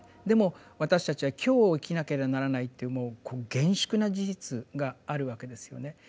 でも私たちは今日を生きなけりゃならないっていうもう厳粛な事実があるわけですよね。